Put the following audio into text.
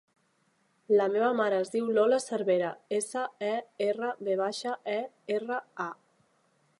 La meva mare es diu Lola Servera: essa, e, erra, ve baixa, e, erra, a.